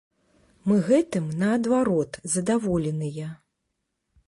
Мы гэтым, наадварот, задаволеныя.